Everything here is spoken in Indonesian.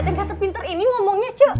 tengah sepinter ini ngomongnya ce